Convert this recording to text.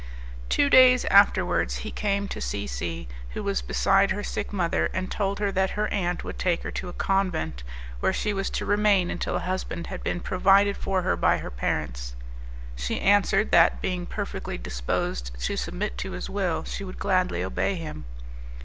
Two days afterwards he came to C C , who was beside her sick mother, and told her that her aunt would take her to a convent, where she was to remain until a husband had been provided for her by her parents. She answered that, being perfectly disposed to submit to his will, she would gladly obey him.